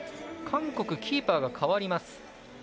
韓国キーパーがかわります。